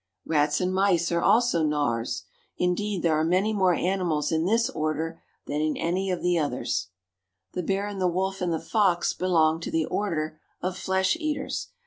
Rats and mice are also Gnawers. Indeed, there are many more animals in this Order than in any of the others. The bear and the wolf and the fox belong to the Order of Flesh Eaters.